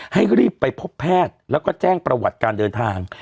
ให้รีบไปพบแพทย์แล้วก็แจ้งประวัติการเดินทาง